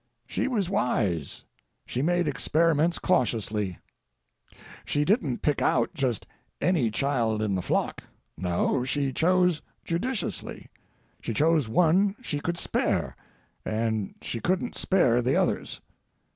She was wise. She made experiments cautiously. She didn't pick out just any child in the flock. No, she chose judiciously. She chose one she could spare, and she couldn't spare the others.